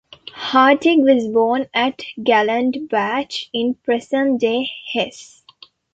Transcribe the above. Hartig was born at Gladenbach, in present-day Hesse.